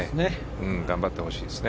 頑張ってほしいですね。